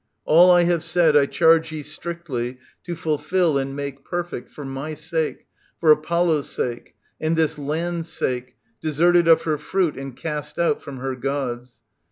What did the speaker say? All I have said I charge ye strictly to fulfil and make Perfect, for my sake, for Apollo's sake. And this land's sake, deserted of her fruit And cast out from her gods.